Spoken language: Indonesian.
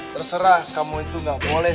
terserah kamu itu nggak boleh